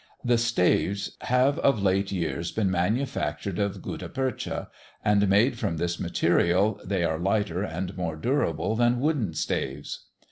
The staves have of [Illustration: THE LOST CHILD. p. 54.] late years been manufactured of gutta percha, and made from this material they are lighter and more durable than wooden staves.